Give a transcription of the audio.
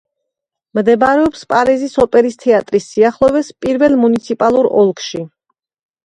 მდებარეობს პარიზის ოპერის თეატრის სიახლოვეს პირველ მუნიციპალურ ოლქში.